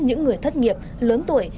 những người thất nghiệp lớn tuổi